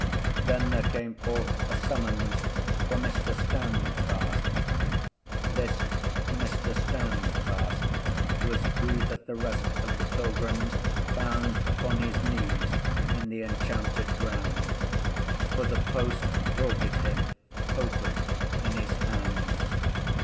Then there came forth a summons for Mr. Stand fast (this Mr. Stand fast was he that the rest of the pilgrims found upon his knees in the enchanted ground), for the post brought it him open in his hands.